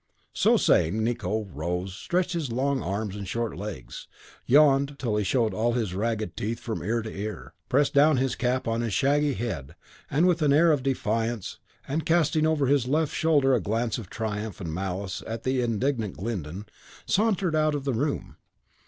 So saying, Nicot rose, stretched his long arms and short legs, yawned till he showed all his ragged teeth from ear to ear, pressed down his cap on his shaggy head with an air of defiance, and casting over his left shoulder a glance of triumph and malice at the indignant Glyndon, sauntered out of the room.